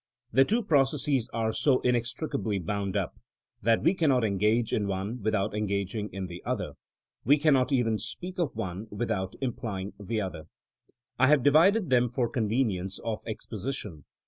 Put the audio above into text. The two processes are so inex tricably bound up, that we cannot engage in one without engaging in the other; we cannot even speak of one without implying the other, I have divided them for convenience of exposi tion.